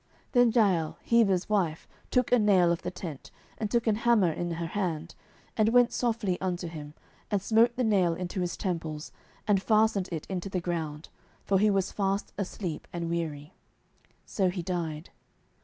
07:004:021 Then Jael Heber's wife took a nail of the tent, and took an hammer in her hand, and went softly unto him, and smote the nail into his temples, and fastened it into the ground: for he was fast asleep and weary. So he died.